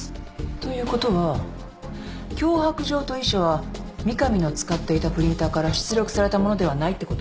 ということは脅迫状と遺書は三上の使っていたプリンターから出力されたものではないってこと？